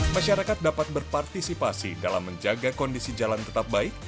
masyarakat dapat berpartisipasi dalam menjaga kondisi jalan tetap baik